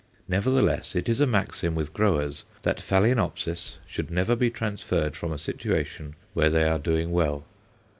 Nevertheless, it is a maxim with growers that Phaloenopsis should never be transferred from a situation where they are doing well.